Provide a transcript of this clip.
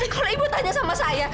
kalau ibu tanya sama saya